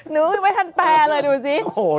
นึกไม่ทันแปลเลยดูสิ